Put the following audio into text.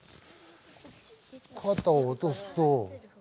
肩を落とすと。